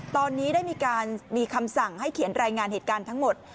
ตอนนี้ได้มีการมีคำสั่งให้เขียนรายงานเหตุการณ์ทั้งหมด